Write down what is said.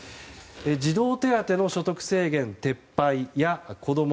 児童手当の所得制限撤廃はこども